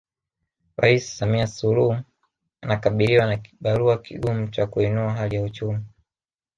ais Samia Suluhu anakabiliwa na kibarua kigumu cha kuinua hali ya uchumi